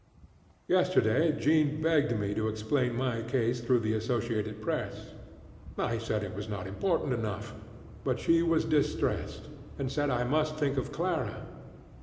Yesterday Jean begged me to explain my case through the Associated Press. I said it was not important enough; but she was distressed and said I must think of Clara.